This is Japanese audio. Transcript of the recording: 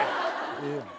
ええやん。